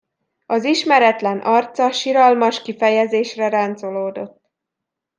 Az ismeretlen arca siralmas kifejezésre ráncolódott.